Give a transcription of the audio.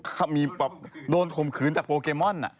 ของมีโปเกมอลโดนข่มคืนจากโปเกมอล